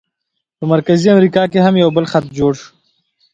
په مرکزي امریکا کې هم یو بل خط جوړ شو.